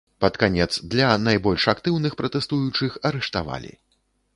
Пад канец для найбольш актыўных пратэстуючых арыштавалі.